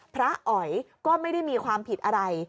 อ๋อยก็ไม่ได้มีความผิดอะไร